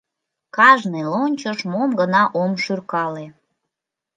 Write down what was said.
— Кажне лончыш мом гына ом шӱркале!..